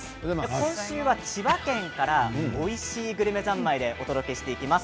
今週は千葉県からおいしいグルメ三昧でお届けしていきます。